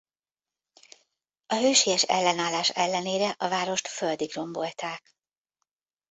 A hősies ellenállás ellenére a várost földig rombolták.